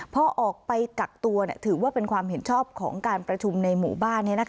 พอออกไปกักตัวถือว่าเป็นความเห็นชอบของการประชุมในหมู่บ้าน